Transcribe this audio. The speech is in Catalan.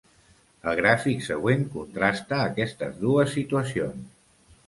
El gràfic següent contrasta aquestes dues situacions.